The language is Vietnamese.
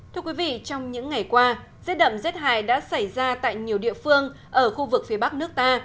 thưa quý vị trong những ngày qua dết đậm dết hải đã xảy ra tại nhiều địa phương ở khu vực phía bắc nước ta